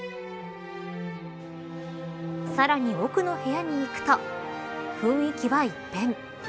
さらに奥の部屋に行くと雰囲気は一変。